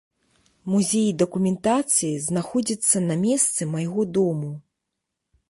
Музей дакументацыі знаходзіцца на месцы майго дому.